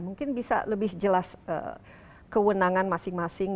mungkin bisa lebih jelas kewenangan masing masing